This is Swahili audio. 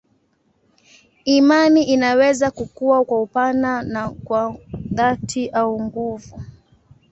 Imani inaweza kukua kwa upana na kwa dhati au nguvu.